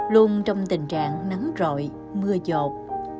luôn trong tình trạng nắng rội mưa giột